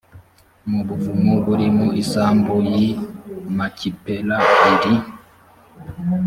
mu buvumo buri mu isambu y i makipela iri